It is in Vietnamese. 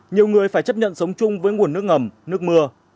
nhiều người phải chấp nhận sống chung với nguồn nước ngầm nước mưa